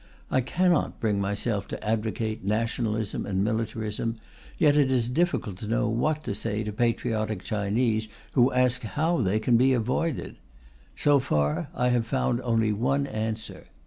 I cannot bring myself to advocate nationalism and militarism, yet it is difficult to know what to say to patriotic Chinese who ask how they can be avoided. So far, I have found only one answer.